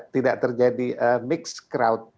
tidak terjadi mix crowd